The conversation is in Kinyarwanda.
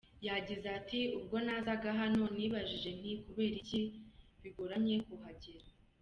Yagize ati “Ubwo nazaga hano, nibajije nti kubera iki bigoranye kuhagera?